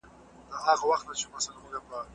کمپيوټر دؤعا ليکي.